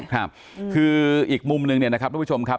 ครับคืออีกมุมนึงเนี่ยนะครับทุกผู้ชมครับ